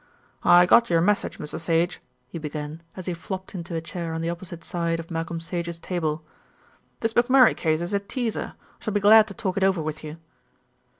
"I got your message, Mr. Sage," he began, as he flopped into a chair on the opposite side of Malcolm Sage's table. "This McMurray case is a teaser. I shall be glad to talk it over with you."